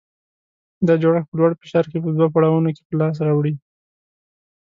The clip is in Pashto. دا جوړښت په لوړ فشار کې په دوه پړاوونو کې په لاس راوړي.